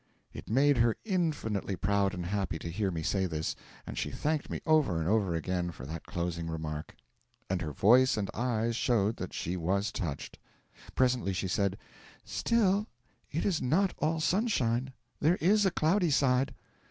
It made her infinitely proud and happy to hear me say this, and she thanked me over and over again for that closing remark, and her voice and eyes showed that she was touched. Presently she said: 'Still, it is not all sunshine there is a cloudy side.